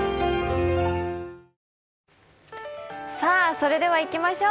それではいきましょう